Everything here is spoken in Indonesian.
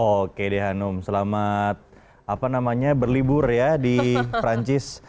oke deh hanum selamat berlibur ya di perancis